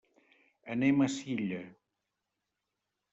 Anem a Silla.